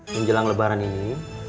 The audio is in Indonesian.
menjelang lebaran ini